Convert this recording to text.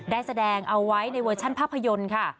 ได้แสดงเอาไว้ในเวอร์ชันภาพยนตร์ค่ะ